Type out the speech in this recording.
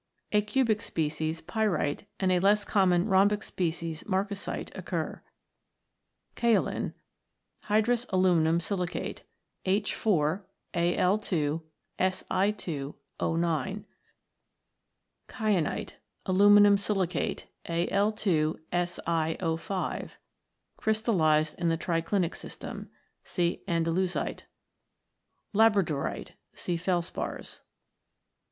A cubic species, Pyrite, and a less common rhombic species, Marcasite, occur. Kaolin. Hydrous aluminium silicate, H 4 Al 2 Si 2 9 . Kyanite. Aluminium silicate, Al 2 Si0 6 , crystallised in the tri clinic system. See Andalusite. Labradorite. See Felspars.